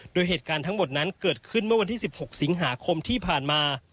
โดยเหตุการณ์ทั้งหมดนั้นเกิดขึ้นเมื่อวันที่๑๖สิงหาคมที่ผ่านมา